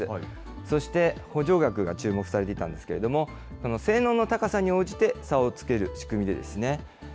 そして補助額が注目されていたんですけれども、その性能の高さに応じて差をつける仕組みですね。